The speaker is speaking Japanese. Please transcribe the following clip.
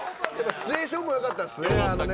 シチュエーションもよかったですね。